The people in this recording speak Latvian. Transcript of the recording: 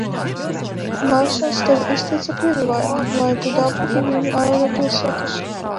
Larsens tev izteica piedāvājumu, lai tu dabūtu viņu ārā no pilsētas?